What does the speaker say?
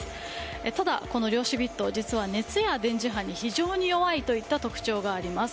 ただ、この量子ビット実は、熱や電磁波に非常に弱いといった特徴があります。